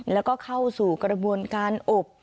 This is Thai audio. แล้วก็เข้าสู่กระบวนการอบ